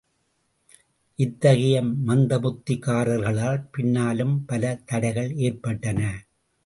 இத்தகைய மந்தபுத்திக்காரர்களால் பின்னாலும் பலதடைகள் ஏற்பட்டன.